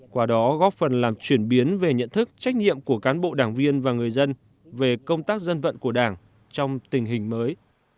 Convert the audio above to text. qua đó góp phần làm chuyển biến về nhận thức trách nhiệm của cán bộ đảng viên và người dân về công tác dân vận của đảng trong tình hình mới